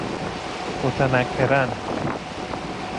متنکراً